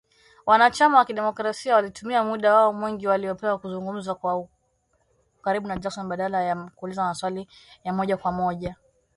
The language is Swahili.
Wana chama wakidemokrasia walitumia muda wao mwingi waliopewa kuzungumza kwa ukaribu na Jackson badala ya kuuliza maswali ya moja kwa moja